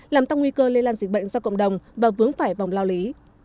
làm tăng nguy cơ lây lan dịch bệnh ra cộng đồng và vướng phải vòng lao lý